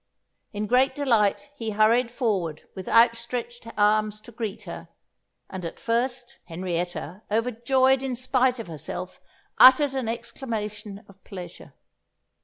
In great delight, he hurried forward with outstretched arms to greet her, and at first, Henrietta, overjoyed in spite of herself, uttered an exclamation of pleasure.